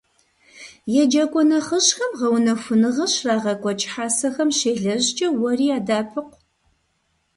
ЕджакӀуэ нэхъыжьхэм гъэунэхуныгъэ щрагъэкӀуэкӀ хьэсэхэм щелэжькӀэ уэри ядэӀэпыкъу.